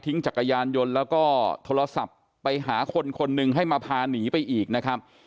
จักรยานยนต์แล้วก็โทรศัพท์ไปหาคนคนหนึ่งให้มาพาหนีไปอีกนะครับ